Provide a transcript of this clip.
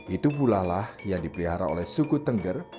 itu pula lah yang dipelihara oleh suku tengger